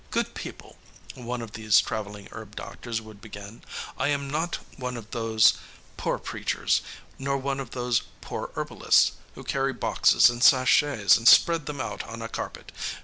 "Good people," one of these traveling herb doctors would begin, "I am not one of those poor preachers, nor one of those poor herbalists who carry boxes and sachets and spread them out on a carpet.